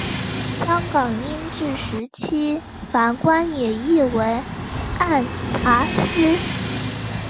香港英治时期法官也译为按察司。